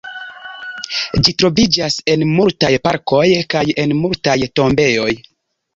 Ĝi troviĝas en multaj parkoj kaj en multaj tombejoj.